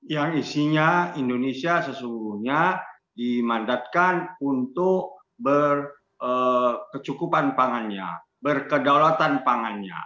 yang isinya indonesia sesungguhnya dimandatkan untuk berkecukupan pangannya berkedaulatan pangannya